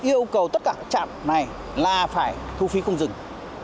yêu cầu tất cả các trạm này là phải thu phí không dừng